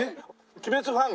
『鬼滅』ファン？